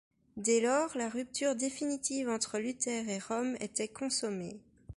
Dès lors, la rupture définitive entre Luther et Rome était consommée.